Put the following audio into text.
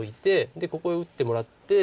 でここへ打ってもらって。